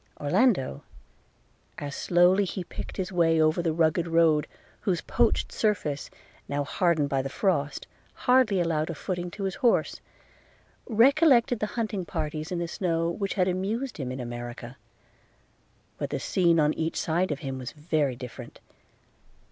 Orlando, as slowly he picked his way over the rugged road, whose poached surface, now hardened by the frost, hardly allowed a footing to his horse, recollected the hunting parties in the snow, which had amused him in America; but the scene on each side of him was very different.